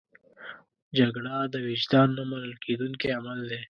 جګړه د وجدان نه منل کېدونکی عمل دی